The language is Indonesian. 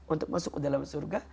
untuk masuk ke dalam surga